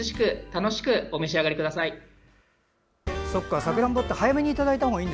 楽しくお召し上がりください。